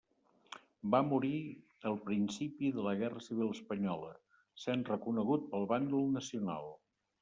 Va morir al principi de la Guerra Civil Espanyola, sent reconegut pel bàndol nacional.